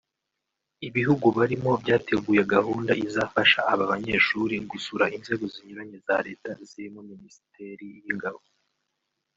ibihugu barimo byateguye gahunda izafasha aba banyeshuri gusura inzego zinyuranye za leta zirimo Minisiteri y’ingabo